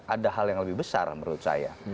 ada hal yang lebih besar menurut saya